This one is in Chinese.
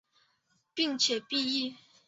并且毕业。